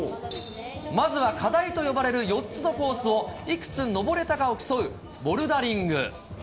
まずは課題と呼ばれる４つのコースをいくつ登れたかを競うボルダリング。